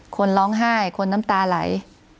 คนร้องไห้คนน้ำตาไหล